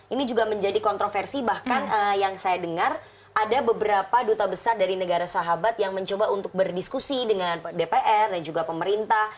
ini juga menjadi kontroversi bahkan yang saya dengar ada beberapa duta besar dari negara sahabat yang mencoba untuk berdiskusi dengan dpr dan juga pemerintah